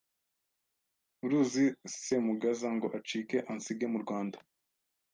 “Uruzi Semugaza ngo acike ansige mu Rwanda!